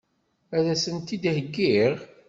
Ad sent-t-id-heggiɣ?